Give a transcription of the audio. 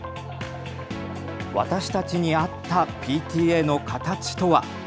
私たちにあったＰＴＡの形とは。